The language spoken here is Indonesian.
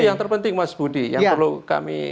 yang terpenting mas budi yang perlu kami